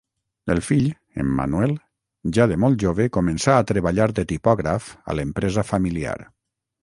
El fill, Emmanuel, ja de molt jove començà a treballar de tipògraf a l'empresa familiar.